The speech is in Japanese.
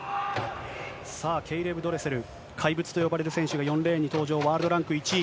さあ、ケイレブ・ドレセル、怪物と呼ばれる選手が４レーンに登場、ワールドランク１位。